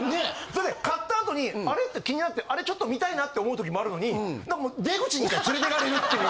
それで買ったあとにあれ？って気になってあれちょっと見たいなって思う時もあるのにもう出口に連れて行かれるっていう。